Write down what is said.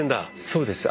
そうです。